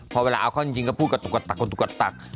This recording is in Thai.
พอเวลาเอาเขาจริงจริงก็พูดกระตุกกระตักกระตุกกระตัก